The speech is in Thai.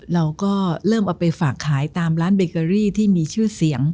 เราก็เริ่มเอาไปฝากขายตามร้านเบเกอรี่ที่มีชื่อเสียง